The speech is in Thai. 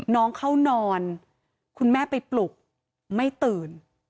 น้องเข้านอนคุณแม่ไปปลุกไม่ตื่น